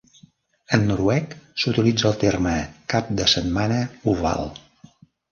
En noruec, s'utilitza el terme "cap de setmana oval".